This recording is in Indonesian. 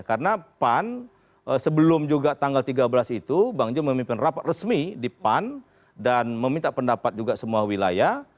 karena pan sebelum juga tanggal tiga belas itu bang jo memimpin rapat resmi di pan dan meminta pendapat juga semua wilayah